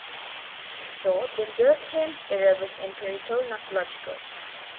If so, then Durkheim's error was empirical, not logical.